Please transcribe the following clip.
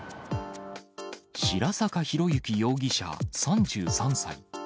白坂浩幸容疑者３３歳。